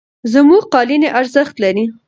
زموږ قالینې ارزښت لري.